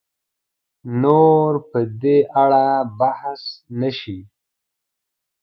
نور په دې اړه بحث نه شي